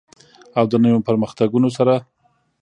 او د نویو پرمختګونو سره.